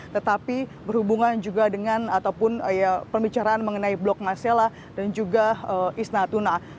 tetapi berhubungan juga dengan ataupun pembicaraan mengenai blok masela dan juga isnatuna